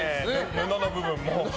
布の部分も。